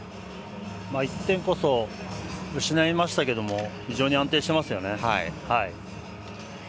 １点こそ失いましたが非常に安定していますよね。